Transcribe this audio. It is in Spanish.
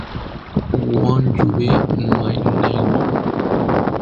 Won't You Be My Neighbor?